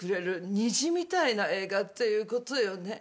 虹みたいな映画っていうことよね。